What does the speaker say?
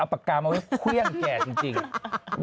เอาปากกาวมาไว้เครื่องแจ่จริง